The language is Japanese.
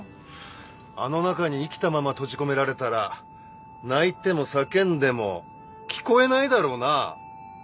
あの中に生きたまま閉じ込められたら泣いても叫んでも聞こえないだろうな。